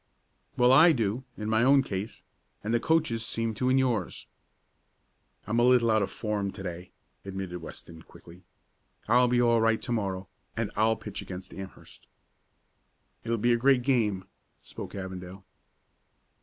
"Well, I do, in my own case, and the coaches seem to in yours." "I'm a little out of form to day," admitted Weston, quickly. "I'll be all right to morrow, and I'll pitch against Amherst." "It'll be a great game," spoke Avondale.